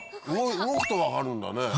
動くと分かるんだねぇ。